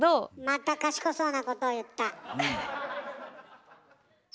また賢そうなことを言った。